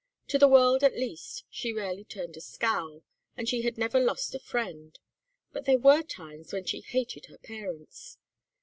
To the world, at least, she rarely turned a scowl, and she had never lost a friend. But there were times when she hated her parents.